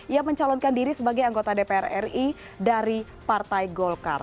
ia mencalonkan diri sebagai anggota dpr ri dari partai golkar